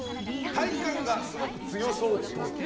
体幹がすごく強そうっぽい。